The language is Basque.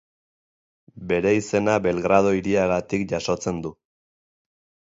Bere izena Belgrado hiriagatik jasotzen du.